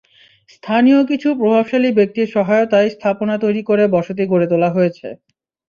স্থানীয় কিছু প্রভাবশালী ব্যক্তির সহায়তায় স্থাপনা তৈরি করে বসতি গড়ে তোলা হয়েছে।